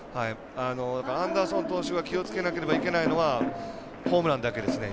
アンダーソン投手が気をつけなきゃいけないのはホームランですね。